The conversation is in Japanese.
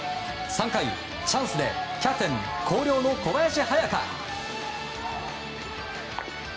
３回、チャンスでキャプテン広陵の小林隼翔！